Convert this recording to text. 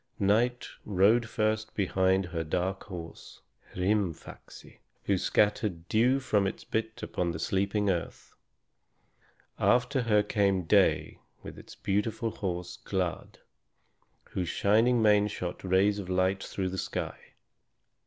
Night rode first behind her dark horse, Hrîmfaxi, who scattered dew from his bit upon the sleeping earth. After her came Day with his beautiful horse, Glad, whose shining mane shot rays of light through the sky.